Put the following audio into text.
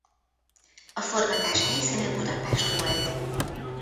A forgatás helyszíne Budapest volt.